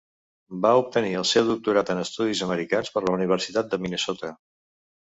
Va obtenir el seu doctorat en Estudis Americans per la Universitat de Minnesota.